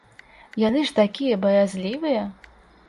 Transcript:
Яны ж такія баязлівыя!